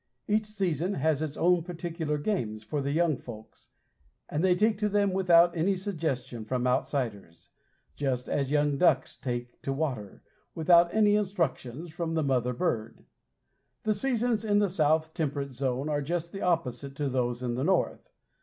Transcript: Each season has its own particular games for the young folks, and they take to them without any suggestion from outsiders, just as young ducks take to water, without any instructions from the mother bird. The seasons in the south temperate zone are just the opposite to those in the north.